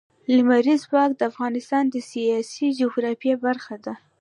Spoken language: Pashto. لمریز ځواک د افغانستان د سیاسي جغرافیه برخه ده.